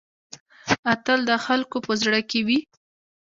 اتل د خلکو په زړه کې وي؟